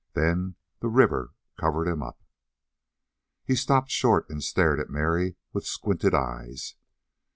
Then the river covered him up." He stopped short and stared at Mary with squinted eyes.